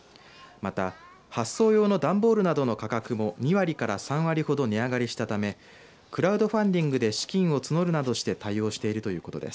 また発送用の段ボールなどの価格も２割から３割ほど値上がりしたためクラウドファンディングで資金を募るなどして対応しているということです。